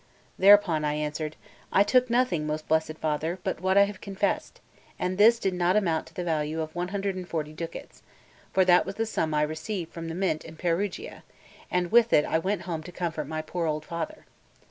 Thereupon I answered: "I took nothing, most blessed Father, but what I have confessed; and this did not amount to the value of 140 ducats, for that was the sum I received from the Mint in Perugia, and with it I went home to comfort my poor old father."